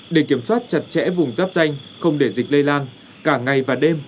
để kiểm soát chặt chẽ vùng giáp danh không để dịch lây lan cả ngày và đêm